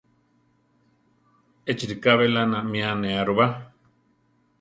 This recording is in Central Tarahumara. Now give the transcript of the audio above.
Échi ríka belána mi anéa ru ba.